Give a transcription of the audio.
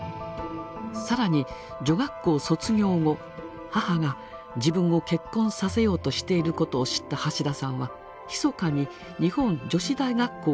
更に女学校卒業後母が自分を結婚させようとしていることを知った橋田さんはひそかに日本女子大学校を受験。